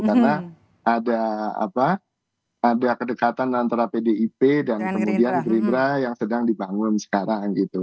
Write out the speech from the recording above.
karena ada kedekatan antara pdip dan kemudian gerindra yang sedang dibangun sekarang gitu